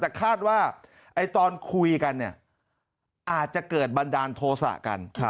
แต่คาดว่าตอนคุยกันเนี่ยอาจจะเกิดบันดาลโทษะกัน